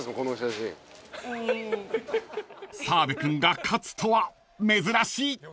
［澤部君が勝つとは珍しい］